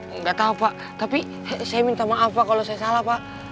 enggak tahu pak tapi saya minta maaf apa kalau saya salah pak